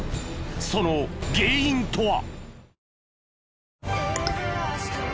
その原因とは？